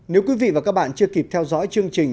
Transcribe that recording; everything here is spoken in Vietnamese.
nếu quý vị và các bạn chưa kịp theo dõi chương trình